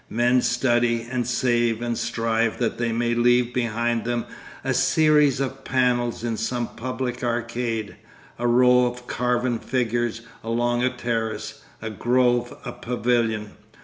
Men study and save and strive that they may leave behind them a series of panels in some public arcade, a row of carven figures along a terrace, a grove, a pavilion.